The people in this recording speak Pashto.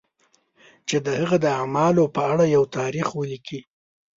چې د هغه د اعمالو په اړه یو تاریخ ولیکي.